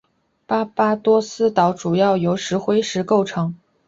巴巴多斯岛主要由石灰石构成。